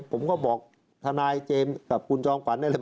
ผมก็บอกทนายเจมส์กับคุณจอมขวัญได้เลย